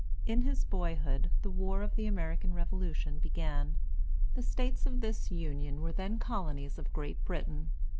In his boyhood the war of the American Revolution began. The States of this Union were then colonies of Great Britain.